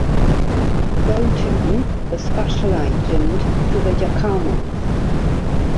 Bolton, the special agent to the Yakamas.